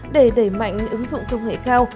để đẩy mạnh ứng dụng công nghệ cao